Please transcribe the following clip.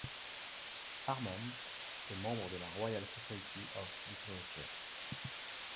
Harman est membre de la Royal Society of Literature.